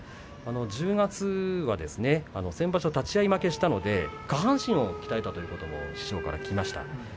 １０月は先場所立ち合い負けしたので下半身を鍛えたということを師匠は話していました。